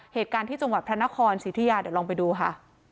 เหตุการณ์ที่จังหวัดพระนครสิทธิยาเดี๋ยวลองไปดูค่ะ